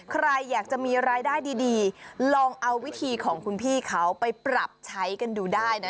ใครอยากจะมีรายได้ดีลองเอาวิธีของคุณพี่เขาไปปรับใช้กันดูได้นะ